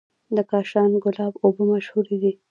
د کاشان ګلاب اوبه مشهورې دي.